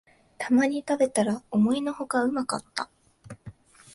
たまに食べたら思いのほかうまかった